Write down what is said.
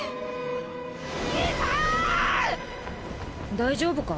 大丈夫か？